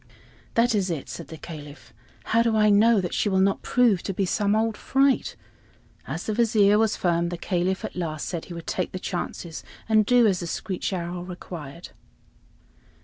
"That is it," said the Caliph. "How do I know that she will not prove to be some old fright?" As the Vizier was firm, the Caliph at last said he would take the chances and do as the screech owl required.